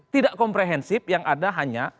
tidak komprehensif yang ada hanya